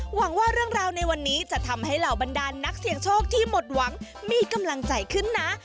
หวังว่าเรื่องราวในวันนี้จะทำให้เหล่าบรรดานนักเสี่ยงโชคที่หมดหวังมีกำลังใจขึ้นนะ